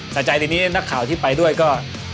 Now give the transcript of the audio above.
ใส่ใจทีนี้นักข่าวที่ไปด้วยก็